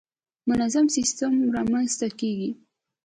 منظم سیستم رامنځته کېږي.